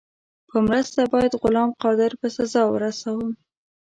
په مرسته باید غلام قادر په سزا ورسوم.